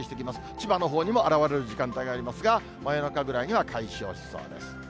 千葉のほうにも現れる時間帯がありますが、真夜中ぐらいには解消しそうです。